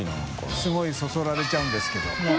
垢瓦そそられちゃうんですけどわぁ！